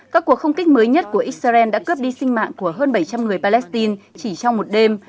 các cuộc không kích mới nhất của israel đã cướp đi sinh mạng của hơn bảy trăm linh người palestine chỉ trong một đêm